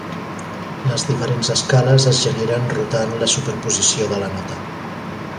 Les diferents escales es generen rotant la superposició de la nota.